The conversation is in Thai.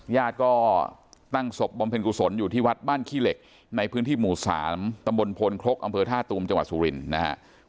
ญาติก็ตั้งศพบำเพ็ญกุศลอยู่ที่วัดบ้านขี้เหล็กในพื้นที่หมู่๓ตำบลพลครกอำเภอท่าตูมจังหวัดสุรินทร์นะครับ